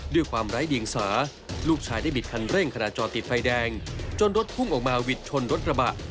ด้วยความไร้เดียงสาลูกชายได้บิดคันเร่งขณะจอดติดไฟแดงจนรถพุ่งออกมาวิดชนรถกระบะ